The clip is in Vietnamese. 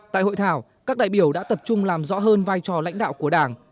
tại hội thảo các đại biểu đã tập trung làm rõ hơn vai trò lãnh đạo của đảng